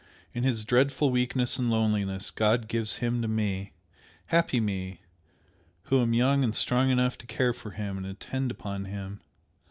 In his dreadful weakness and loneliness, God gives him to ME! happy me, who am young and strong enough to care for him and attend upon him.